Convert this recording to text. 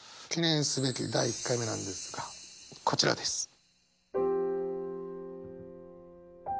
記念すべき第１回目なんですがこちらです。